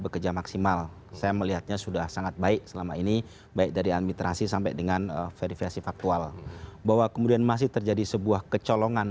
kami masih akan segera kembali dengan pembahasan